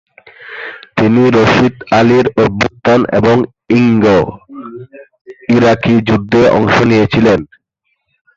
তিনি রশিদ আলির অভ্যুত্থান এবং ইঙ্গ-ইরাকি যুদ্ধে অংশ নিয়েছিলেন।